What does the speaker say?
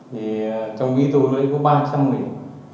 thì trong ký tôi đã có ba trăm nghìn